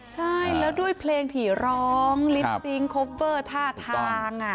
ใช่แล้วด้วยเพลงถี่ร้องลิปซิงค์คอฟเฟอร์ท่าทาง